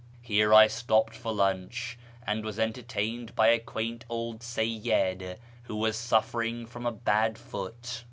Here I stopped for lunch, and was entertained by a quaint old Seyyid who was suffering from a bad foot.